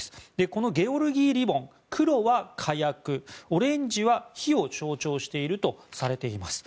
このゲオルギー・リボン黒は火薬オレンジは火を象徴しているとされています。